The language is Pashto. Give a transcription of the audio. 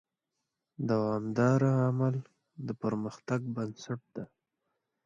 دوامداره عمل د پرمختګ بنسټ دی.